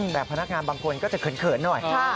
แต่พนักงานบางคนก็จะเขินหน่อย